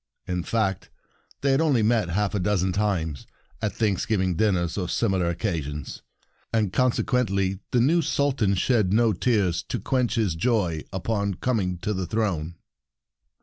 In fact, they had met only half a dozen times, at Thanksgiving dinners or similar occasions; and consequently the new Sul tan shed no tears to quench his joy upon coming to the throne.